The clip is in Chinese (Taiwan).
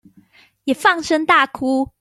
也放聲大哭